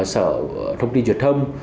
sở thông tin truyền thông